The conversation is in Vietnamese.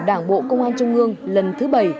đảng bộ công an trung ương lần thứ bảy